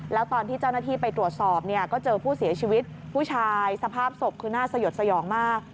แล้วตอนที่เจ้าหน้าที่ไปตรวจสอบเนี่ยก็เจอผู้เสียชีวิตผู้ชายสภาพศพคือน่าสยดสยองมาก